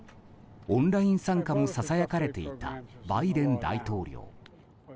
オンライン参加もささやかれていたバイデン大統領。